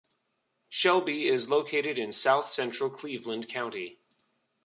Shelby is located in south-central Cleveland County.